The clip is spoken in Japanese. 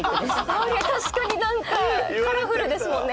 確かになんかカラフルですもんね